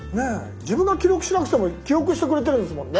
自分が記録しなくても記憶してくれてるんですもんね。